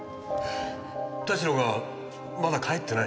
田代がまだ帰ってない？